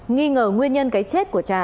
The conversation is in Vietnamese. nghi ngờ nguyên nhân cái chết của trà